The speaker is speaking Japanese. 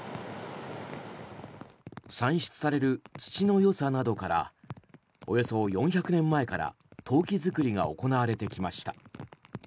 産出される土のよさなどからおよそ４００年前から陶器作りが行われてきました。